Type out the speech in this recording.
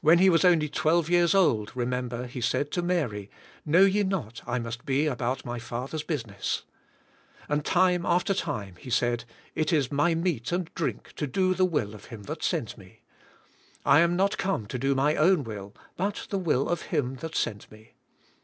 When He was only twelve years old, remember, He said to Mary, '' Know ye not I must be about my Father's business ?" And time after time He said, *'It is my meat and drink to do the will of Him that sent me." "I am not come to do my own will, but the will of Him that sent Me."